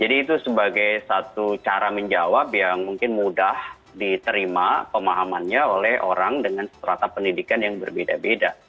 jadi itu sebagai satu cara menjawab yang mungkin mudah diterima pemahamannya oleh orang dengan seterata pendidikan yang berbeda beda